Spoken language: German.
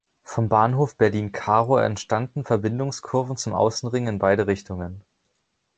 Vom Bahnhof Berlin-Karow entstanden Verbindungskurven zum Außenring in beide Richtungen.